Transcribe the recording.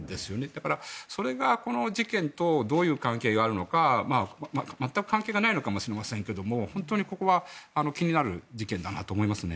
だから、それがこの事件とどういう関係があるのか全く関係がないのかもしれませんが本当にここは気になる事件だなと思います。